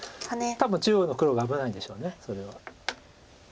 多分中央の黒が危ないんでしょうそれは。